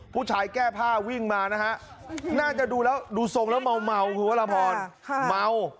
ผู้ชายแก้ผ้าวิ่งมานะฮะน่าจะดูแล้วดูทรงแล้วเมาคุณวรพรเมา